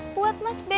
buat mas be